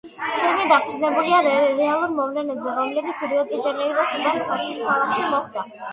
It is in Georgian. ფილმი დაფუძნებულია რეალურ მოვლენებზე, რომლებიც რიო-დე-ჟანეიროს უბან ღმერთის ქალაქში მოხდა.